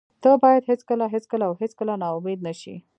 ته باید هېڅکله، هېڅکله او هېڅکله نا امید نشې.